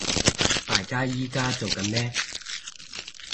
大家依家做緊咩